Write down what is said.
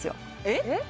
えっ？